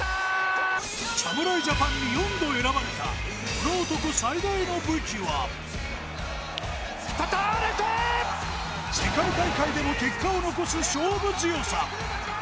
侍ジャパンに４度選ばれたこの男最大の武器は、世界大会でも結果を残す勝負強さ。